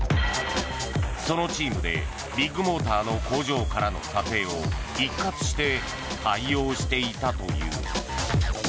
そのチームでビッグモーターの工場からの査定を一括して対応していたという。